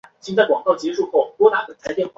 香港回归后任行政会议召集人。